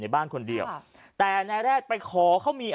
ชาวบ้านญาติโปรดแค้นไปดูภาพบรรยากาศขณะ